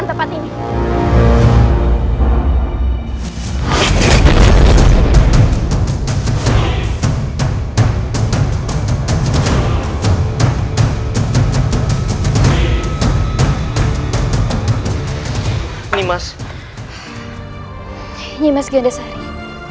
terima kasih kakak